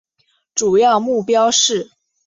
主要目标是